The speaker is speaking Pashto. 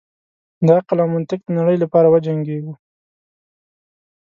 د عقل او منطق د نړۍ لپاره وجنګیږو.